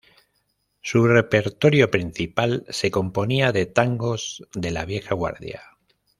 Su repertorio principal se componía de tangos de la vieja guardia.